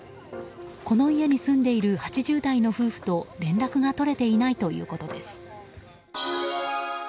この家に住んでいる８０代の夫婦と連絡が取れていないということです。